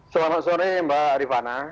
selamat sore mbak arifana